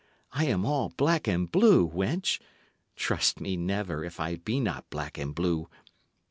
I am all black and blue, wench; trust me never, if I be not black and blue!